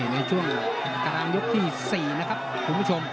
ในช่วงกลางยกที่๔นะครับคุณผู้ชม